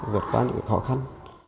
vượt qua những cái khó khăn